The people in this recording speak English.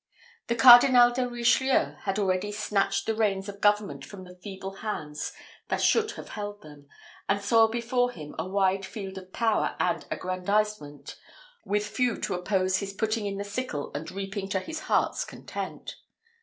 The Cardinal de Richelieu had already snatched the reins of government from the feeble hands that should have held them, and saw before him a wide field of power and aggrandisement, with few to oppose his putting in the sickle and reaping to his heart's content.